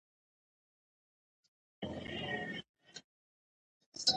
پروژه خلکو ته ګټه رسوي.